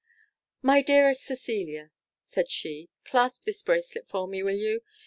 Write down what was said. "My dearest Cecilia," said she, "clasp this bracelet for me, will you?